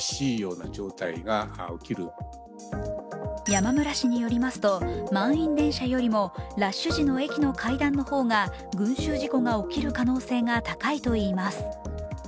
山村氏によりますと満員電車よりもラッシュ時の駅の階段の方が群集事故が起きる可能性が高いといいます。